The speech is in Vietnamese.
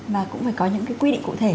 mà cũng phải có những cái quy định cụ thể